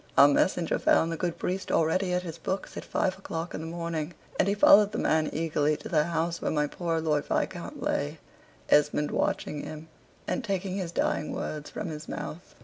Our messenger found the good priest already at his books at five o'clock in the morning, and he followed the man eagerly to the house where my poor Lord Viscount lay Esmond watching him, and taking his dying words from his mouth.